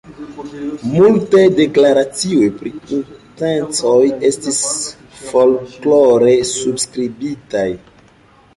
Multaj deklaracioj pri intencoj estis folklore subskribitaj.